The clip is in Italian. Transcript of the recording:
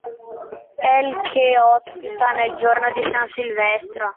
È l' che ospita nel giorno di San Silvestro.